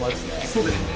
そうですね。